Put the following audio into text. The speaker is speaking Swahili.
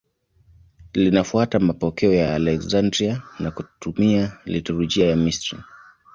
Linafuata mapokeo ya Aleksandria na kutumia liturujia ya Misri.